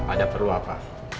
ada perlu apa